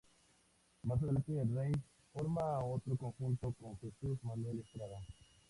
Más adelante, el Rey forma otro conjunto con Jesús Manuel Estrada.